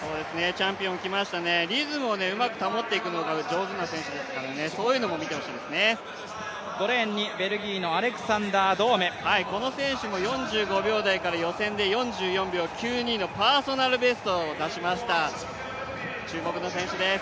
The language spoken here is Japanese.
チャンピオンきましたね、リズムをうまく保っていくのが上手な選手ですから、５レーンにベルギーのアレクサンダー・ドームこの選手も４５秒台から、予選で４４秒９２のパーソナルベストを出しました、注目の選手です。